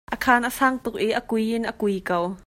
A khan a sang tuk i a kui in a kui ko.